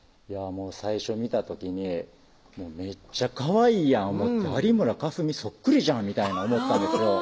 最初見た時にめっちゃかわいいやん思って有村架純そっくりじゃんみたいな思ったんですよ